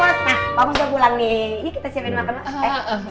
pak bos pak bos sudah pulang nih ini kita siapin makan pak